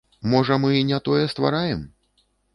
Можа, мы не тое ствараем?